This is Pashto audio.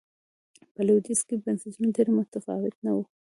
په لوېدیځ کې بنسټونه ډېر متفاوت نه و.